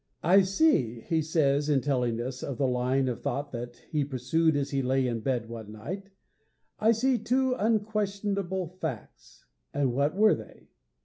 'I see,' he says, in telling us of the line of thought that he pursued as he lay in bed one night, 'I see two unquestionable facts.' And what were they?